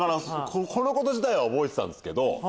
このこと自体は覚えてたんですけど。